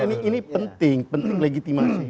ini penting penting legitimasi